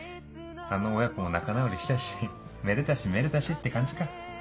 あの親子も仲直りしたしめでたしめでたしって感じか。